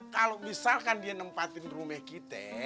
kalau misalkan dia nempatin rumah kita